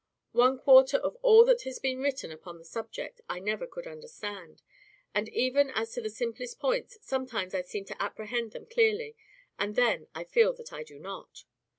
One quarter of all that has been written upon the subject I never could understand; and even as to the simplest points, sometimes I seem to apprehend them clearly, and then I feel that I do not.